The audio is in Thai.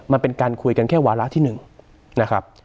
มันเป็นการคุยกันแค่วาระที่๑นะครับ